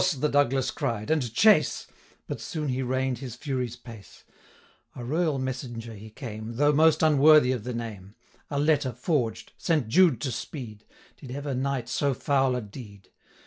the Douglas cried, 'and chase!' But soon he rein'd his fury's pace: 'A royal messenger he came, Though most unworthy of the name. 455 A letter forged! Saint Jude to speed! Did ever knight so foul a deed!